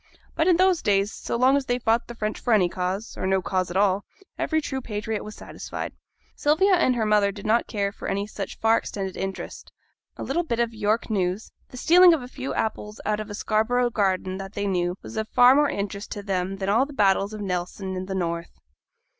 But in those days, so long as they fought the French for any cause, or for no cause at all, every true patriot was satisfied. Sylvia and her mother did not care for any such far extended interest; a little bit of York news, the stealing of a few apples out of a Scarborough garden that they knew, was of far more interest to them than all the battles of Nelson and the North.